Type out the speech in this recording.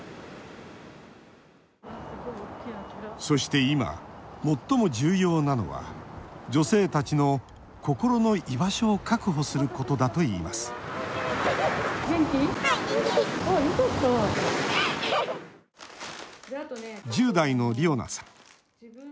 そして今、最も重要なのは女性たちの心の居場所を確保することだといいます１０代のりおなさん。